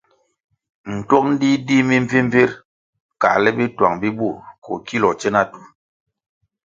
Ntuong dih dih mimbvimbvir kãhle bituang bi bur koh kiloh tsina tu.